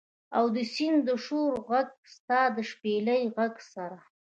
او د سیند د شور ږغ، ستا د شپیلۍ د ږغ سره